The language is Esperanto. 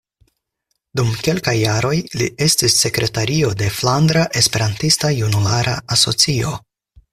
Dum kelkaj jaroj li estis sekretario de Flandra Esperantista Junulara Asocio.